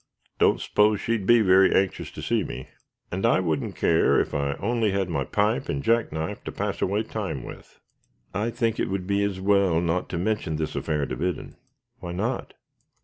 "Don't suppose she'd be very anxious to see me; and I wouldn't care if I only had my pipe and jack knife to pass away time with." "I think it would be as well not to mention this affair to Biddon." "Why not?"